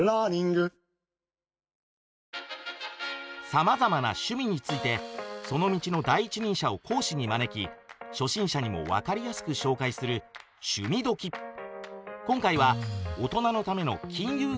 さまざまな「趣味」についてその道の第一人者を講師に招き初心者にも分かりやすく紹介する今回は大人のための「金融教育」がテーマです。